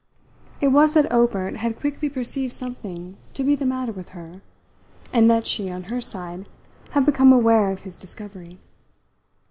It was that Obert had quickly perceived something to be the matter with her, and that she, on her side, had become aware of his discovery.